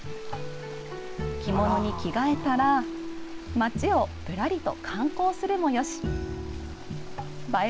着物に着替えたら町をぶらりと観光するもよし映え